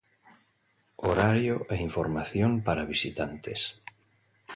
Horario e Información para Visitantes